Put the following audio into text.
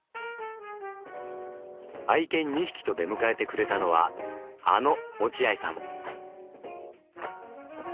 愛犬２匹と出迎えてくれたのはあの落合さん。